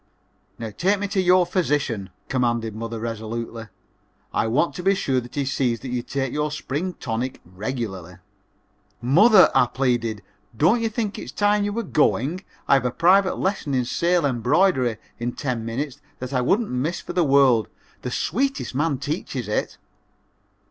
"Now take me to your physician," commanded mother, resolutely. "I want to be sure that he sees that you take your spring tonic regularly." "Mother," I pleaded, "don't you think it is time you were going? I have a private lesson in sale embroidery in ten minutes that I wouldn't miss for the world the sweetest man teaches it!"